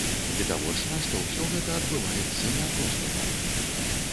Відавочна, што ўсё гэта адбываецца не проста так.